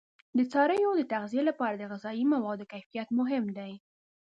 د څارویو د تغذیه لپاره د غذایي موادو کیفیت مهم دی.